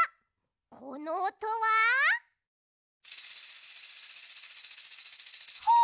このおとは。はあ！